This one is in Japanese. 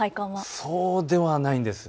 そうではないんです。